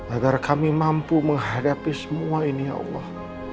agar kami mampu menghadapi semua ini ya allah